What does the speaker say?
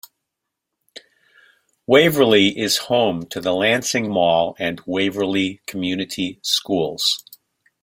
Waverly is home to the Lansing Mall and Waverly Community Schools.